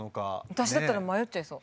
私だったら迷っちゃいそう。